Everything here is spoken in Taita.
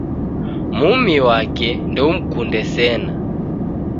Mumi wake ndeumkunde sena